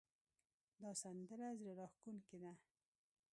دا سندره زړه راښکونکې ده